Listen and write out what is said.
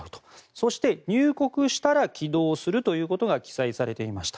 そして、入国したら起動するということが記載されていました。